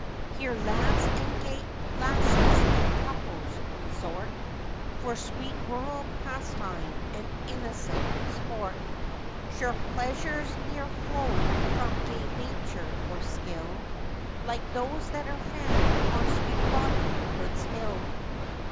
Here lads and gay lasses in couples resort, For sweet rural pastime and innocent sport; Sure pleasures ne'er flowed from gay nature or skill, Like those that are found on sweet 'Robin Hood's Hill.